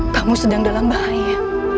kamu sedang dalam bahaya